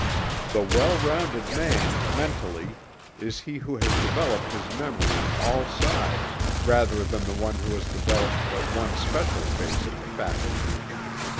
The well rounded man, mentally, is he who has developed his memory on all sides, rather than the one who has developed but one special phase of the faculty.